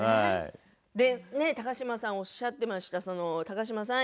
高島さんおっしゃっていました高島さん